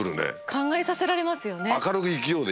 考えさせられますよね。